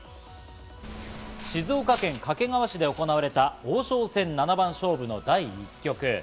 静岡県掛川市で行われた王将戦七番勝負の第一局。